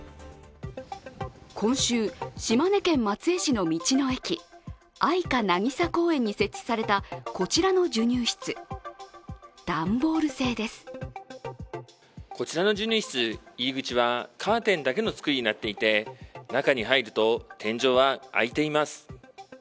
今週、島根県松江市の道の駅、秋鹿なぎさ公園に設置されたこちらの授乳室、段ボール製です。こちらの授乳室、入り口はカーテンだけの作りになっていて、中に入ると、天井は開いています。